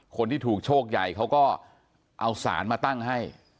คนที่ถูกโชคใหญ่เขาก็เอาสารมาตั้งให้